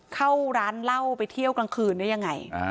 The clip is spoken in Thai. เข้าร้านเหล้าไปเที่ยวกลางคืนได้ยังไง